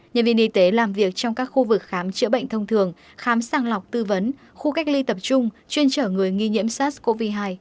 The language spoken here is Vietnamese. nhân viên y tế làm việc trong các khu vực khám chữa bệnh thông thường khám sàng lọc tư vấn khu cách ly tập trung chuyên trở người nghi nhiễm sars cov hai